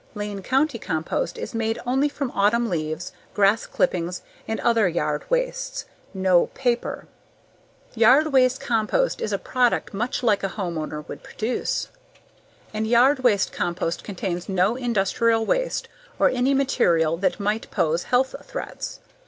Lane County compost is made only from autumn leaves, grass clippings, and other yard wastes. No paper! Yard waste compost is a product much like a homeowner would produce. And yard waste compost contains no industrial waste or any material that might pose health threats.